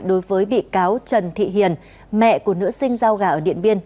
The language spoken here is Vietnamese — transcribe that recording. đối với bị cáo trần thị hiền mẹ của nữ sinh giao gà ở điện biên